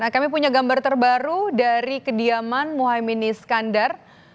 kami punya gambar terbaru dari kediaman muhaymin iskandar